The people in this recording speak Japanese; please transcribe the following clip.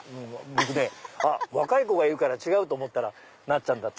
僕ね若い子がいるから違うと思ったらなっちゃんだった。